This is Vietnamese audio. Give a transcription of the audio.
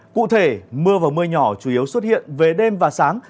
cụ thể mưa và mưa nhỏ chủ yếu xuất hiện về đêm và sáng